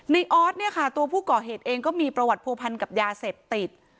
ออสเนี่ยค่ะตัวผู้ก่อเหตุเองก็มีประวัติผัวพันกับยาเสพติด